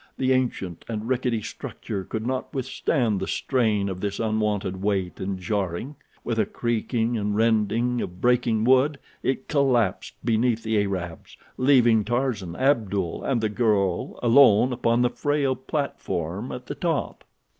The ancient and rickety structure could not withstand the strain of this unwonted weight and jarring. With a creaking and rending of breaking wood it collapsed beneath the Arabs, leaving Tarzan, Abdul, and the girl alone upon the frail platform at the top.